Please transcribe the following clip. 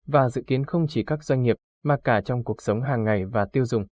và dự kiến không chỉ các doanh nghiệp mà cả trong cuộc sống hàng ngày và tiêu dùng